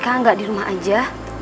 kak gak di rumah aja